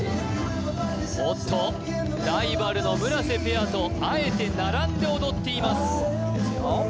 おっとライバルの村瀬ペアとあえて並んで踊っていますいいですよ